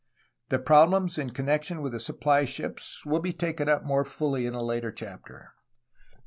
The problems in connection with the supply ships will be taken up more fully in a later chapter.